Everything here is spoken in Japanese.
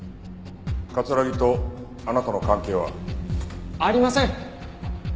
木とあなたの関係は？ありません！